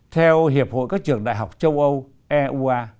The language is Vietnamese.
theo hiệp hội các trường đại học châu âu